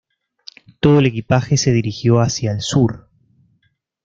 Todo el equipaje se dirigió hacia el sur.